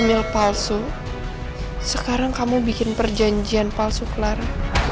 kamil palsu sekarang kamu bikin perjanjian palsu ke lara